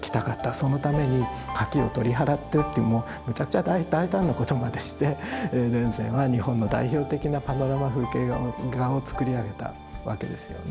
そのために垣を取り払ってっていうめちゃくちゃ大胆なことまでして田善は日本の代表的なパノラマ風景画を作り上げたわけですよね。